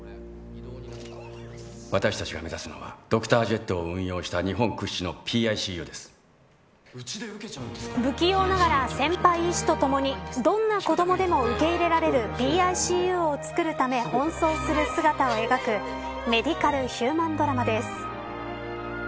私たちが目指すのはドクタージェットを運用した不器用ながら先輩医師とともにどんな子どもでも受け入れられるＰＩＣＵをつくるため奔走する姿を描くメディカルヒューマンドラマです。